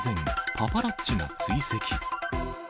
パパラッチが追跡。